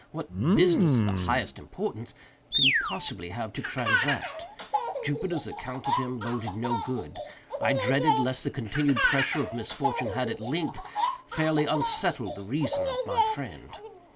What "business of the highest importance" could he possibly have to transact? Jupiter's account of him boded no good. I dreaded lest the continued pressure of misfortune had, at length, fairly unsettled the reason of my friend.